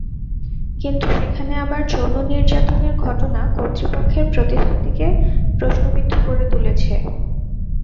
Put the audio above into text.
কিন্তু সেখানে আবার যৌন নির্যাতনের ঘটনা কর্তৃপক্ষের প্রতিশ্রুতিকে প্রশ্নবিদ্ধ করে তুলেছে।